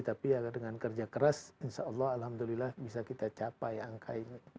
tapi ya dengan kerja keras insya allah alhamdulillah bisa kita capai angka ini